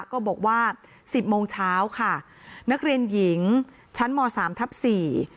ก็บอกว่าสิบโมงเช้าค่ะนักเรียนหญิงชั้นมสามทับสี่